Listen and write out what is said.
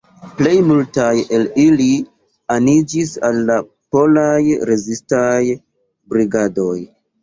Plej multaj el ili aniĝis al la polaj rezistaj brigadoj.